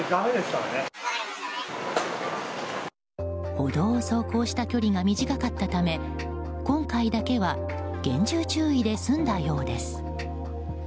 歩道を走行した距離が短かったため今回だけは厳重注意で済んだようです。